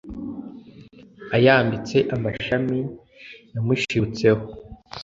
ayambitse amashami yamushibutseho